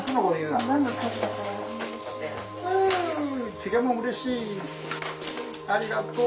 漬物うれしいありがとう。